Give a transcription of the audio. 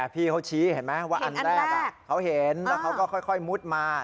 นี่พี่เขาชี้เห็นไหมว่าเห็นอันแรกเราเห็นก็เขาค่อยมุดมา